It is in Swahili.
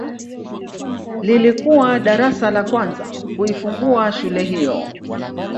Lilikuwa darasa la kwanza kuifungua shule hiyo